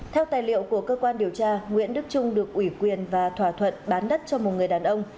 theo tài liệu của cơ quan điều tra nguyễn đức trung được ủy quyền và thỏa thuận bán đất cho một người đàn ông